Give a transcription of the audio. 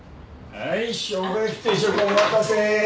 はいしょうが焼き定食お待たせ。